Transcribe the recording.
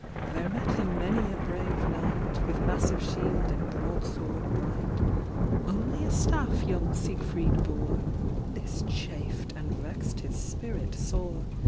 There met him many a brave knight, With massive shield and broadsword bright. Only a staff young Siegfried bore ; This chafed and vexed his spirit sore.